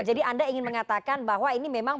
jadi anda ingin mengatakan bahwa ini memang